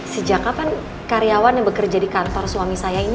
sejak kapan karyawan yang bekerja di kantor suami saya ini